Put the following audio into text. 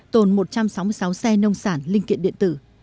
tồn một trăm sáu mươi sáu xe nông sản linh kiện điện tử